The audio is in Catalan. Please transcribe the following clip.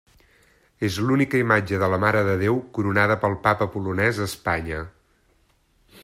És l'única imatge de la Mare de Déu coronada pel Papa polonès a Espanya.